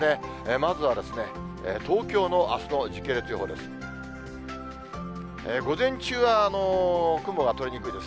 まずは東京のあすの時系列予報です。